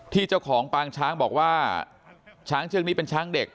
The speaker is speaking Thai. เจ้าของปางช้างบอกว่าช้างเชือกนี้เป็นช้างเด็ก